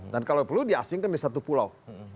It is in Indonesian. dan kalau perlu diasingkan di satu pulau